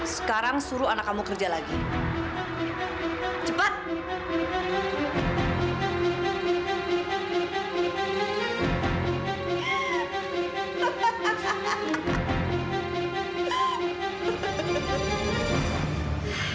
sekarang suruh anak kamu kerjakan tempat ini